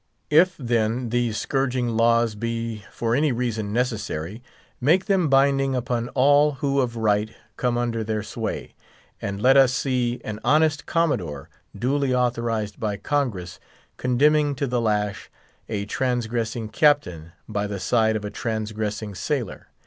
If, then, these scourging laws be for any reason necessary, make them binding upon all who of right come under their sway; and let us see an honest Commodore, duly authorised by Congress, condemning to the lash a transgressing Captain by the side of a transgressing sailor.